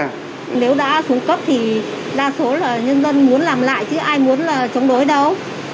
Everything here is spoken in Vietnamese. nếu đã xuống cấp thì đa số là nhân dân muốn làm lại chứ ai muốn là chống đối đâu